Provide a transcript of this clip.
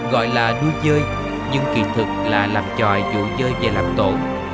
gọi là nuôi dơi nhưng kỳ thật là làm tròi dụ dơi về làm tổ